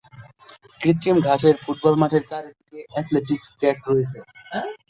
কৃত্রিম ঘাসের ফুটবল মাঠের চারদিকে অ্যাথলেটিক্স ট্র্যাক রয়েছে।